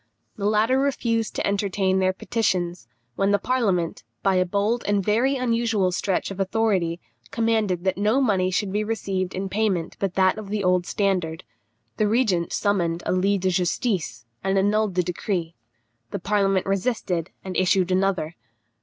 The latter refused to entertain their petitions, when the parliament, by a bold and very unusual stretch of authority, commanded that no money should be received in payment but that of the old standard. The regent summoned a lit de justice, and annulled the decree. The parliament resisted, and issued another.